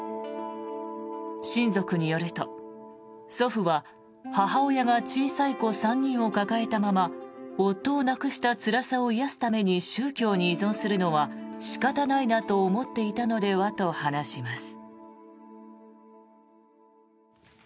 親族によると祖父は母親が小さい子３人を抱えたまま夫を亡くしたつらさを癒やすために宗教に依存するのは仕方ないなと思っていたのではと話します。